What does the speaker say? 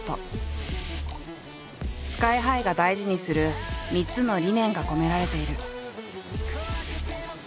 ＳＫＹ−ＨＩが大事にする３つの理念が込められている。